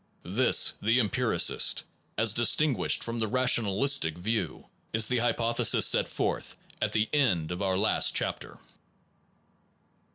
This, the empiricist, as distinguished from the ra tionalist view, is the hypothesis set forth at the end of our last chapter.